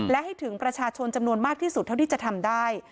และให้ถึงประชาชนจำนวนมากที่สุดเท่าที่จะทำได้